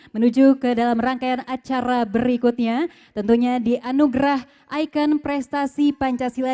menuju ke dalam rangkaian acara berikutnya tentunya di anugerah ikon prestasi pancasila